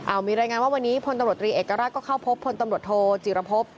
อ่าวมีรายงานว่าวันนี้พรรีเอกรักษ์ก็เข้าพบพรโทจิลภพ